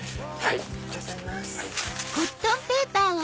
ありがとうございます。